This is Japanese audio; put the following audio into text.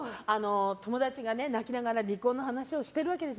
友達が泣きながら離婚の話をしているわけです。